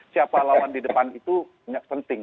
siapa lawan di depan itu penting